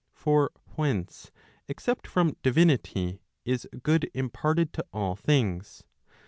For whence, except from divinity, is good imparted to all things?